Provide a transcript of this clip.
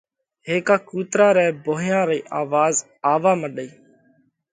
هيڪا ڪُوترا رئہ ڀونهيا رئِي آواز آوَوا مڏئِي۔